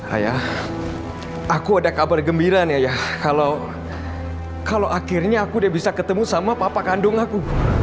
ayah aku ada kabar gembira nih ya kalau akhirnya aku udah bisa ketemu sama papa kandung aku